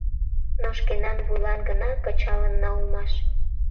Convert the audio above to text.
— Но шкенан вуйлан гына кычалынна улмаш...